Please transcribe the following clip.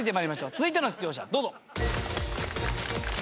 続いての出場者どうぞ。